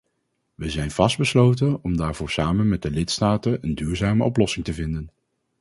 We zijn vastbesloten om daarvoor samen met de lidstaten een duurzame oplossing te vinden.